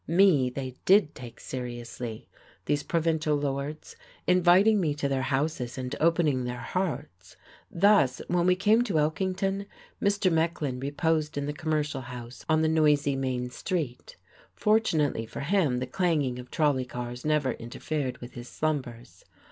Me they did take seriously, these provincial lords, inviting me to their houses and opening their hearts. Thus, when we came to Elkington, Mr. Mecklin reposed in the Commercial House, on the noisy main street. Fortunately for him, the clanging of trolley cars never interfered with his slumbers.